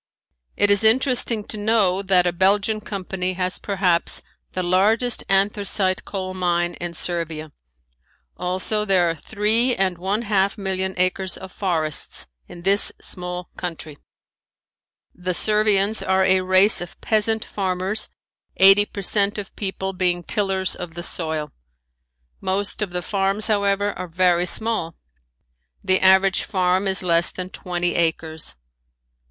It is interesting to know that a Belgian company has perhaps the largest anthracite coal mine in Servia. Also, there are three and one half million acres of forests in this small country. The Servians are a race of peasant farmers, eighty per cent of the people being tillers of the soil. Most of the farms, however, are very small. The average farm is less than twenty acres.